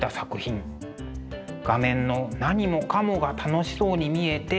画面の何もかもが楽しそうに見えて